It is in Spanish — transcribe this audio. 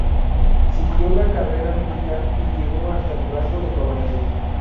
Siguió la carrera militar y llegó hasta el rango de coronel.